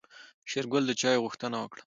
شېرګل د چاي غوښتنه وکړه.